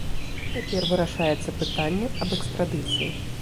Цяпер вырашаецца пытанне аб экстрадыцыі.